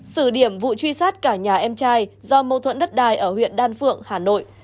sử điểm vụ truy sát cả nhà em trai do mâu thuẫn đất đai ở huyện đan phượng hà nội